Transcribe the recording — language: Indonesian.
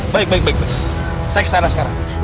baik baik baik saya ke sana sekarang